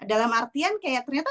dalam artian kayak ternyata